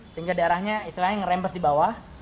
sehingga darahnya istilahnya ngerempes dibawah